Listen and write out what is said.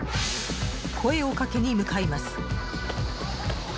声をかけに向かいます。